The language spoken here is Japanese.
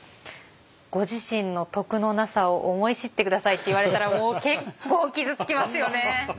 「ご自身の徳のなさを思い知ってください」って言われたらもう結構傷つきますよね。